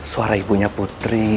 suara ibunya putri